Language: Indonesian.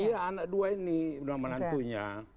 iya anak dua ini menantunya